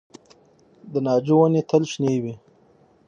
د ناجو ونې تل شنې وي؟